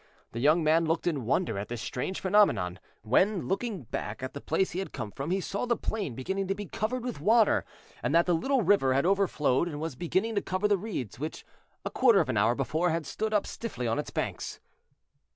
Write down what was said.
The young man looked in wonder at this strange phenomenon, when, looking back to the place he had come from, he saw the plain beginning to be covered with water, and that the little river had overflowed, and was beginning to cover the reeds which a quarter of an hour before had stood up stiffly on its banks.